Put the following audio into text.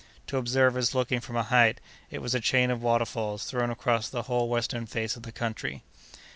To observers looking from a height, it was a chain of waterfalls thrown across the whole western face of the country.